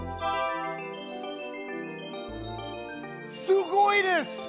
すごいです！